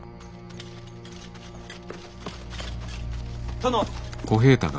殿。